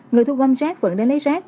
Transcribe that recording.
người thu gom rác vẫn đến lấy rác